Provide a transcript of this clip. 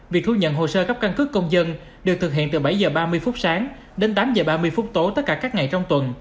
việc thu nhận hồ sơ cấp căn cước công dân được thực hiện từ bảy h ba mươi phút sáng đến tám h ba mươi phút tối tất cả các ngày trong tuần